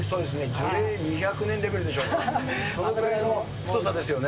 樹齢２００年レベルでしょうか、それぐらいの太さですよね。